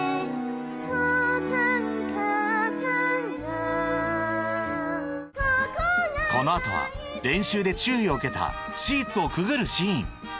とうさんかあさんがこの後は練習で注意を受けたシーツをくぐるシーン